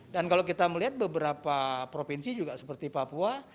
dan kalau kita melihat beberapa provinsi juga seperti papua